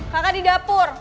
kakak di dapur